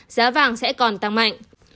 giá vàng sẽ còn tăng mạnh